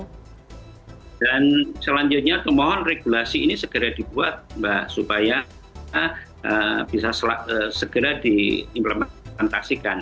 dan selanjutnya kemohon regulasi ini segera dibuat mbak supaya bisa segera diimplementasikan